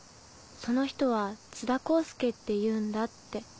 その人は津田功介っていうんだって。